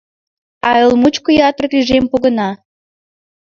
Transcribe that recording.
А эл мучко ятыр тӱжем погына.